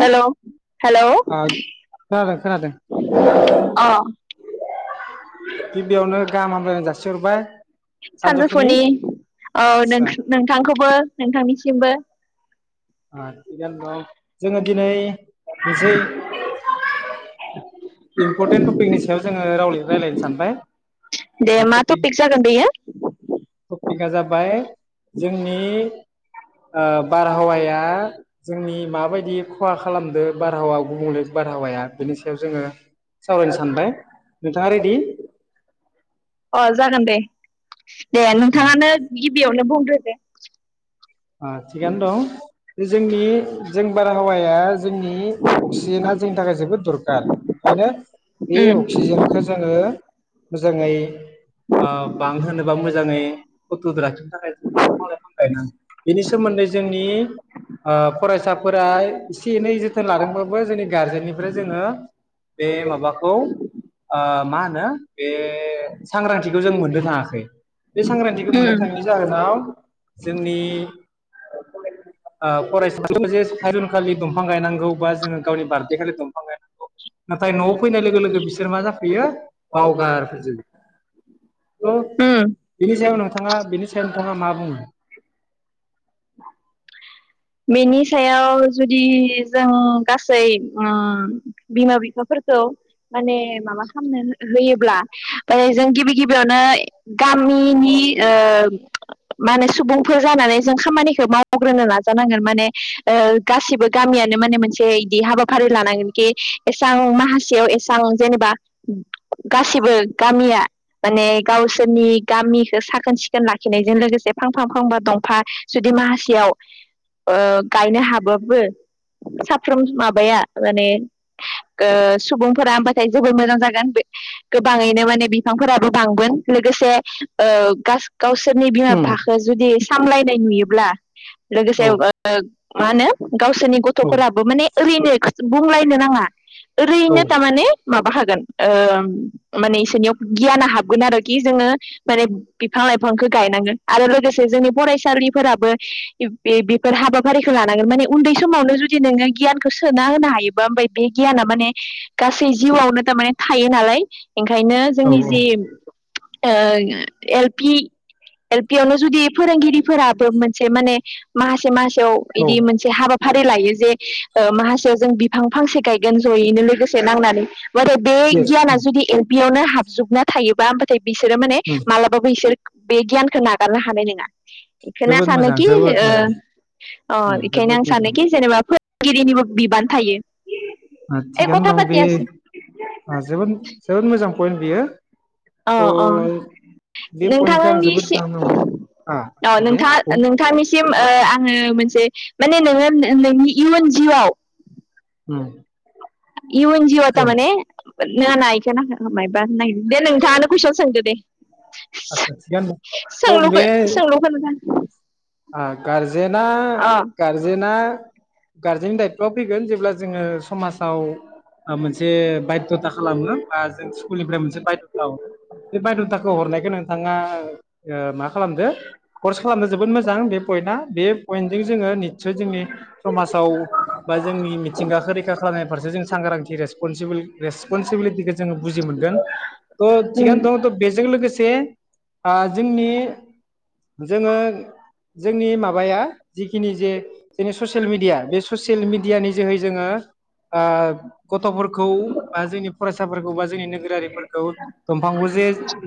Hello hello खोनादों खोनादों अ गिबियावनो गाहाम हामलायनाय जासिहरबाय सानजौफुनि औ आतसा नोंथांखौबो नोंथांनिसिमबो आ बिनों जोङो दिनै मोनसे इम्परटेन्ट टपिकनि सायाव जोङो राव रायज्लायनो सानबाय दे मा टपिक जागोन बेयो? टपिकआ जाबाय जोंनि बारहावाया जोंनि माबायदि खहा खालामदो बारहावा गुबुंले बारहावाया बेनि सायाव जोङो सावरायनो सानबाय। नोंथाङा रेदि? अ जागोन दे। दे नोंथाङानो गिबियावनो बुंदो। [unintelligible] ओ थिगानो दं बे जोंनि जों बारहावाया जोंनि अक्सिजेना जोंनि थाखाय जोबोद दरखार ओंखायनो बे उम अक्सिजेनखो जोङो मोजाङै ओ बांहोनोबा मोजाङै [unintelligible] लाखिनो थाखाय जों दफां लाइफां गायनांगोन। बेनि सोमोन्दै जोंनि ओ फरायसाफोरा एसे एनै जोथोन लादोंबाबो जोंनि गारजेननिफ्राय जोङो बे माबाखौ ओ मा होनो बे सांग्रांथिखौ जों मोननो थाङाखै बे सांग्रांथिखौ मोननो उम थाङैनि जाहोनाव जोंनि ओ फरायसा जे [unintelligible] दंफां गायनांगौ बा जोङो गावनि बार्डे खालि दंफां गायनांगौ। नाथाय न'आव फैनाय लोगो लोगो बिसोर मा जाखो बेयो बावगार फैजोबो थ' उम बेनि सायाव नोंथाङा बेनि सायाव नोंथाङा मा बुङो? बेनि सायाव जुदि जों गासै ओ बिमा बिफाफोरखौ माने माबा खामनो होयोब्ला जों गिबि गिबियावनो गामिनि ओ माने सुबुंफोर जानानै जों खामानिखौ मावग्रोनो नाजा जानांगोन माने ओ गासिबो गामियानो माने मोनसे इदि हाबाफारि लानांगोनकि एसां माहासेयाव एसां जेनेबा गासिबो गामिया माने गावसोरनि गामिखो साखोन- सिखोन लाखिनायजों लोगोसे फांफा फांफा दंफा जुदि माहासेयाव ओ गायनो हाबाबो साफ्रोम माबाया माने ओ सुबुंफोरा होबाथाय जोबोर मोजां जागोन गोबाङैनो माने बिफांफोराबो बांगोन लोगोसे ओ [unintelligible] गावसोरनि बिमा उम बिफाखो जुदि सामलायनाय नुयोब्ला औ [unintelligible] मानो गावसोरनि औ गथफोराबो माने ओरैनो बुंलायनो नाङा ओरैनो थामाने माबा हागोन ओ माने इसोरनियाव गियाना हाबगोन आरोखि जोङो माने बिफां -लाइफांखौ गायनांगो आरो लोगोसे जोंनि फरायसालिफोराबो बेफोर हाबाफारिखौ लानांगोन माने उन्दै समावनो जुदि नोङो गियानखौ सोना होनो हायोबा ओमफ्राय बे गियाना माने गासै जिउआवनो थामाने थायो नालाय। ओंखायनो औ जोंनि औ जि ओ एल पि एल पि आवनो जुदि फोरोंगिरिफोराबो मोनसे माने माहासे माहासे [unintelligible] औ इदि मोनसे हाबा फारि लायो जे ओ माहासेआव जों बिफां फांसे गायगोन जयैनो लोगोसे नांनानै नाथाय बे येस गियाना जुदि एल पि आवनो हाबजोबना थायोबा ओमबाथाय इसोरो माने मालाबाबो इसोर बे गियानखौ नागारनो हानाय नोङा इखोनो जोबोद मोजां सानोखि जोबोद ओ मोजां अ इखायनो जोबोद आं मोजां सानोखि जेनेबा गिरिनिबो बिबान थायो ओ ओइ थिगानो खथा दं बे पातियासो ओ जोबोद जोबोद मोजां पइन्ट बियो औ औ थ' बे पइन्टखौ आं जोबोद गाहाम नोंथांनिसिम नांदों औ आदसा दे नोंथां औ नोंथांनिसिम आङो मोनसे माने नोङो नोंनि इयुन जिउआव ओम इउन जिउआव तारमाने [unintelligible] दे नोंथाङानो कुइसन सोंदो दे आदसा थिगानो [unintelligible] दं थ' सोंलुखौ बे सोंलुखौ [unintelligible] [unintelligible] गारजेना गारजेना गारजेननि दायथ'आ फैगोन जेब्ला जोङो समाजाव मोनसे बायद'था खालामो बा जों स्कुलनिफ्राय मोनसे बायद'था हरो बे बायद'थाखौ हरनायखौ नोंथाङा नोंथाङा मा खालामदो कर्स खालामदों जोबोद मो जां बे पइन्टआ बे पइन्टजों जोङो निस्सय जोंनि समाजाव बा जोंनि मिथिंगाखो रैखा खालामनाय फारसे जों सांग्रांथि रेसपनसिबोल रेसपनसिबिलिटिखौ जोङो बुजि मोनगोन थ' थिगानो दं थ' बेजों लोगोसे से ओ जोंनि जोङो जोंनि माबाया जिखिनि जे जोंनि ससियेल मिडिया बे ससियेल मिडियानि जोहै जोङो ओ गथ'फोरखौ बा जोंनि फरायसाफोरखौ बा जोंनि [unintelligible] [unintelligible] दंफांखौ जे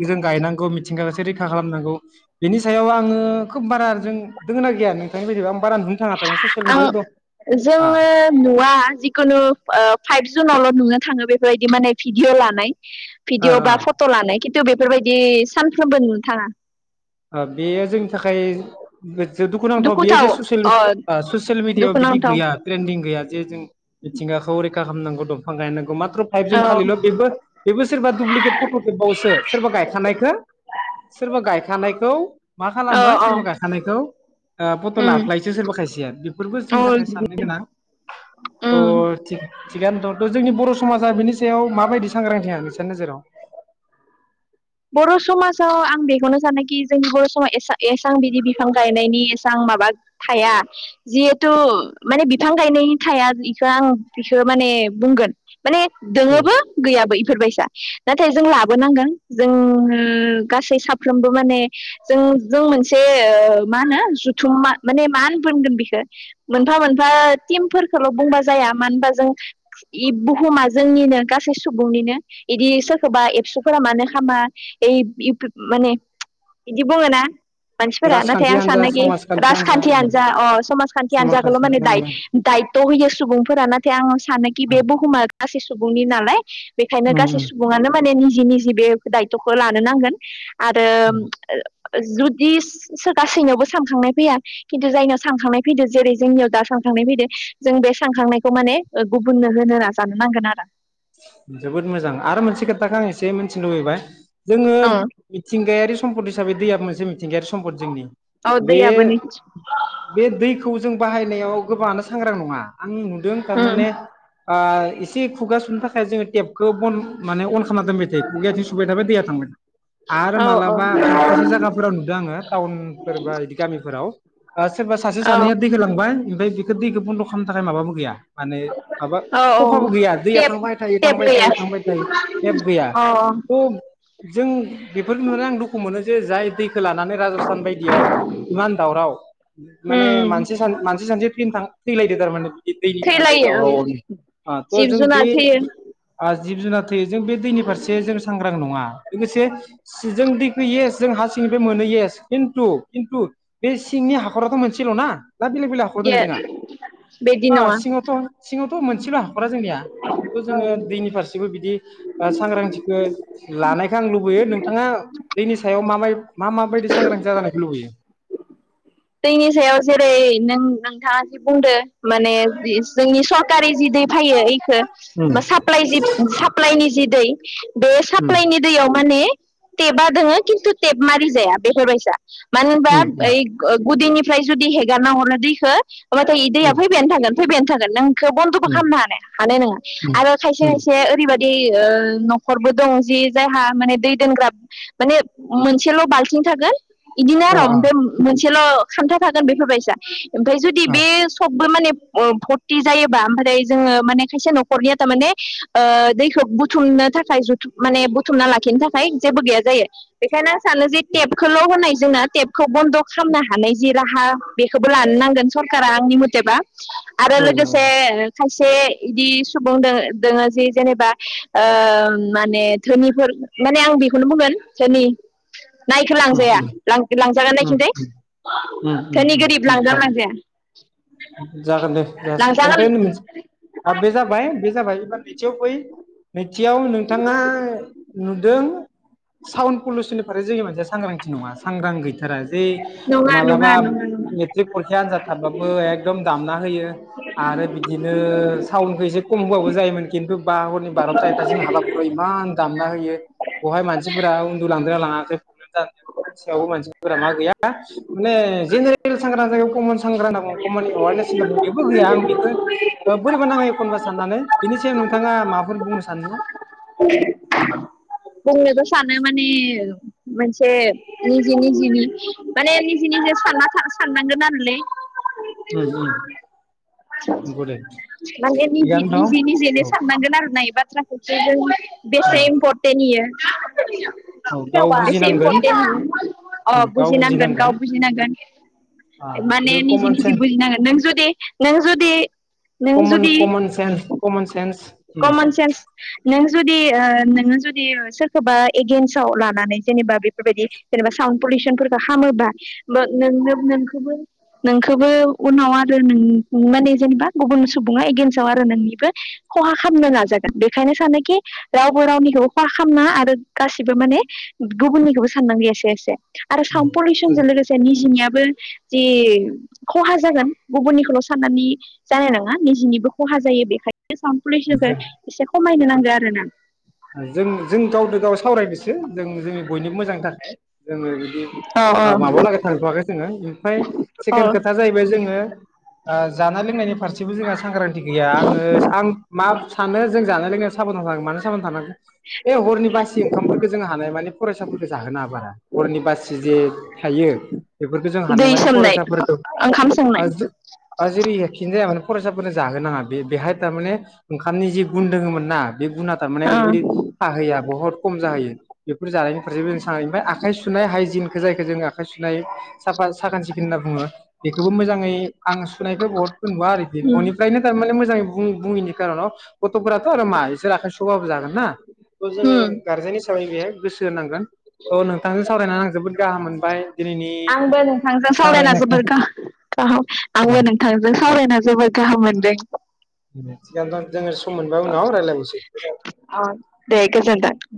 जों गायनांगौ मिथिंगा जे रैखा खालामनांगौ बेनि सायाव आङो खोब बारा जों दङो ना गैया नोंथांनि बायदिब्ला आं बारा नुनो थाङाखै ससियेल आं मिडियाआव दं ए जोङो नुवा जिखुनु ओ फाइभ जुनावल' नुनो थाङो बेफोरबायदि माने भिडिअ लानाय आ भिदिअ बा आ फट' लानाय खिन्थु बेफोरबायदि सानफ्रोमबो नुनो थाङा ओ बेयो जोंनि थाखाय दुखुनांथाव बियो दुखुथाव जे ससियेल ओ अ ससियेल मिडियाआव बिदि दुखुनांथाव गैया ट्रेन्डदिं गैया। जे जों मिथिंगाखौ रैखा खामनांगौ दंफां गायनांगौ माथ्र फाइभ जुन औ खालिल' बेबो बेबो सोरबा दुब्लिगेट फट' खेबावोसो सोरबा गायखानायखौ सोरबा गायखानाय खौ मा औ खालामो औ सोरबा गायखानायखौ ओ पट' उम लाफ्लायोसो सोरबा खायसेया बेफोरबो औ जोंनि थाखाय साननो गोनां अ उम थिग थिगानो दं थ' जोंनि बर' समाजा बिनि सायाव माबायदि सांग्रांथि [unintelligible] नोजोराव। बर' समाजाव आं बेखौनो सानोखि जोंनि बर' समा एसा एसां बिदि बिफां गायनायनि एसां माबा थाया जिहेथु माने बिफां गायनायनि थाया इखो आं बिखो माने बुंगोन। माने औ दोङोबो गैयाबो बेफोरबायसि। नाथाय जों लाबोनांगोन। जों गासै साफ्रोमबो माने जों जों मोनसे ओ मा होनो जुथुममा माने मा फोनगोन बिखो मोनफा मोनफा टिमफोरखौल' बुंबा जाया मानो होनबा जों इ बुहुमा जोंनिनो गासै सुबुंनिनो इदि सोरखौबा एबसुफोरा मानो हामा इ इउपि माने इदि बुङो ना मानसिफोरा नाथाय राजखान्थि आं हान्जा सानोखि समाजखान्थि हान्जा राजखान्थियानोजा अ समाजखान्थि हानजाखौल' माने समाजखान्थि हान्जा दाय-दायथ' होयो सुबुंफोरा नाथाय आं सानोखि औ बे बुहुमा गासै सुबुंनि नालाय। [unintelligible] बेखायनो उम गासै सुबुङानो माने नि जि निजि बे दायथ'खौ लानो नांगोन। आरो जुदिस सो गासैनियावबो सानखांनाय फैया खिन्थु जायनियाव सानखांनाय फैदो जेरै जोंनियाव दा सानखांनाय फैदो जों बे सानखांनायखौ माने ओ गुबुननो होनो नाजानो नांगोन आरो। उम थिनो लुबैबाय जोङो औ मिथिंगायारि सम्पद हिसाबै दैया मोनसे मिथिंगायारि सम्पद जोंनि औ बे दैयाबो निथि बे दैखौ जों बाहायनायाव गोबाङानो सांग्रां नङा। आं नुदों उम थारमाने ओ एसे खुगा सुनो थाख खाय जोङो टेपखौ बन्द माने अन खालामना दोनबाय थायो खुगायाथिं सुबाय थाबाय दैया थांबाय आरो औ मालाबा खायसे खायसे जागाफोराव नुदों आङो टाउनफोर बा बिदि गामिफोराव ओ सोरबा सासे औ औ सानैया दैखो लांबाय ओमफाय बेखो दैखो बन्द' खामनो थाखाय माबाबो गैया माने माबा औ खफाबो गैया दैया टेप थांबाय थायो टेप थांबाय गैया थायो थांबाय थायो टेप गैया अ जों बेफोर नुनानै आं दुखु मोनो जे जाय दैखो खो लानानै राजस्थान बायदियाव इमान दावराव माने उम मानसि सान मानसि सानसि फिन थाङा थैलायदो दारमाने बे दैनि थाखाय थैलायो औ [unintelligible] त' जिब जों बे जुनार थैयो ओ जिब जुनार थैयो जों बे दैनि फारसे जों सांग्रां नङा लोगोसे जों दै [unintelligible] जों हा सिंनिफ्राय मोनो [unintelligible] खिन्थु खिन्थु बे सिंनि हाखराथ' मोनसेल'ना। दा बेलेग बेलेग हाखर दङ ए जोंहा बिदि ओ नङा सिङावथ'। सिङावथ' मोनसेल' हाखरा जोंनिया। थ' जोङो दैनि फारसेबो बिदि। ओ सांग्रांथिखौ। लानायखौ आं लुबैयो नोंथाङा दैनि सायाव माबाय मा माबायदि सांग्रांथि जानायखौ लुबैयो। दैनि सायाव जेरै नों नोंथाङा जि बुंदो माने जोंनि सरकारि जि दै फैयो इखौ उम बा साप्लाइ साप्लाइनि जि दै [inaudible] बे उम साप्लाइनि दैयाव माने टेबा दंङो खिन्थु टेप मारि जाया बेफोर बायसा। मानोहोनबा उम उम बै गुदिनिफ्राय जुदि हेगारना हरनाय दैखो। नाथाय इ दैया उम फैबायानो थागोन फैबायानो थागोन। [unintelligible] एखो बन्द'बो उम खालामनो हानाय नङा आरो खायसे उम खायसे ओरैबा बि ओ न'खरबो दं जि जायहा माने दै दोनग्रा माने मोनसेल' बाल्थिं थागोन। इदिनो अ आरो अ ओमफ्राय। मोनसेल' खान्था थागोन बेफोरबायसा। ओमफ्राय जुदि अ बे सबबो माने ओ फरथि जायोबा ओमफ्राय जोङो माने खायसे न'खरनिया थारमाने ओ दैखौ बुथुमनो थाखाय जुथुम माने बुथुमना लाखिनो थाखाय जेबो गैया जायो बेखायनो आं सानो जे टेपखौल' होनाय जोंना टेबखौ बन्द' खालामनो हानाय जि राहा बेखौबो लानो नांगोन सरकारा आंनि मथेबा। आरो औ औ लोगोसे खायसे इदि सुबुं दोङो दोङो जि जेनेबा ओ माने धोनिफोर माने आं बेखौनो बुंगोन धोनि। नायखो लांजाया लां-लांजागोन ना [unintelligible] ओम ओम धोनि गोरिब ओम लांजागोन लांजाया जायो। जागोन दे जासिगोन लांजागोन ओमफाय [unintelligible] बे जाबाय बे जाबाय। बिथियाव फै नैथियाव नोंथाङा नुदों साउन्ड पलिउसननि फारै जोंनि मनसिया सांग्रांथि नङा सांग्रां गैथारा। बै नङा नङा मालाबा नङा नङा मेट्रिक फरिखा आनजाद थाबाबो एक दामना होयो आरो बिदिनो सउन। एसे खम होबाबो जायोमोन खिन्थु। बा हरनि बारथा एथासिम हाबाफोर बायदि इमान। दामना होयो बावहाय मानसिफोरा उन्दु लांदोंना लाङाखै बि सायावबो मानसिफोरा मा गैया माने जेनेरेल सांग्रांजा खमन सांग्रां कमन एवारनेस होनब्ला बेबो गैया आं बेखौ बोरैबा नाङो एखनबा साननानै बिनि थिख नोंथाङा माबाफोर बुंनो सानोना? औ [inaudible] बुंनोबो सानो माने मोनसे निजे निजिनि माने निजे निजे सानना साननांगोन आरोलै। औ [inaudible] उम उम नंगौ दे [inaudible] माने निजे थिगानो दं निजेनो औ साननांगोन आरोना इ बाथ्राखौसो जों औ बेसे इम्परटेन्ट इयो। औ गाव [unintelligible] एसे बुजिनांगोन इम्परटेन्ट [inaudible] अ बुजिनांगोन गाव बुजिनांगोन आ माने बेखौ निजि कमन निजि सेन्स बुजिनांगोन नों जुदि नों जुदि, नों कमन जुदि common sense common sense common sense [inaudible] नों जुदि नोङो जुदि सोरखौबा एगेेनसाव लानानै जेनेबा बेफोरबायदि जेनेबा साउड पलिउसनफोरखौ खामोबा नों नोंखौबो नोंखौबो उनाव आरो नों नों माने जेनेबा गुबुन सुबुङा एगेन्साव आरो नोंनिबो खहा खालामनो नाजागोन बेखायनो सानोखि रावबो रावनिखौबो खहा खालामनाङा आरो गासिबो माने गुबुननिखौबो साननांगौ एसे एसे। आरो साउन्ड पलिउसनजों लोगोसे निजनि बो खहा जागोन गुबुननिखौल' साननानै जानाय नङा निजिनिबो खहा जायो बेखायनो बे साउन्ड पलुसनखो उम एसे ख खमायनो नांगो आरोना। जों जों गावदो गाव सावराय दोसो जों जों बयनिबो मोजांनि थाखाय जोङो बिदि औ औ माबालागै थांथ'वाखै जोङो ओमफ्राय औ सेकेणड खोथाया जाहैबाय जोङो जानाय लोंनायनि फारसेबो जोंहा सांग्रांथि गैया आङो आं मा सानो जों जानाय लोंनायाव साबधानांगोन मान [unintelligible] बे हरनि बासि ओंखामफोरखौ जों हानाय माने फरायसाफोरखौ जाहोनोङा बारा। हरनि बासि जे थायो। बेफोरखौ जों दै हानाय मानि सोमनाय फरायसाफोरखौ ओंखाम सोमनाय बा जेरै हखिन जाया माने फरायसाफोरनो जाहोनो नाङा बे बेहाय थारमाने ओंखामनि जि गुन दोङोमोनना बे गुना थारमाने ओ ओरैबायदि थाहैया बहुत खम जाहैयो। बेफोर जानायनि फारसेबो जों सान ओमफ्राय आखाइ सुनाय हाइजिनखो जायखौ जों आखाइ सुनाय साफा साखोन सिखोन होनना बुङो बेखौबो मोजाङै आं सुनायखौ बहुत नुवा आरोखि न'निफ्रायनो थारमाने मोजाङै बुं बुङैनि खारनाव गथ' फोराथ' आरो मा इसोर आखाइ सु आबाबो जागोन ना। जोङो उम गारजेन हि बायै गोसो होनांगोन। औ नोंथांजों सावरायनानै आं जोबोद गाहाम मोनबाय दिनैनि आंबो नोंथांजों सावरायना सावरायनायखौ जोबोर गा गाहाम [inaudible] अ आंबो नोंथांजों सावरायना जोबोद गाहाम मोनदों। जियानो जा जोङो सम मोनबा उनाव रायज्लायबावनोसै। अ दे गोजोनथों